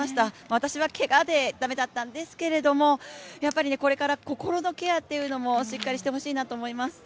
私はけがで駄目だったんですけれどもこれから、心のケアもしっかりしてほしいなと思います。